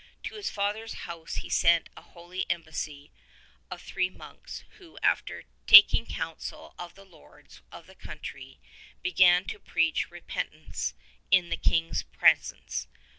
To his father's house he sent a holy embassy of three monks who after taking counsel of the lords of the country began to preach repent ance in the King's presence.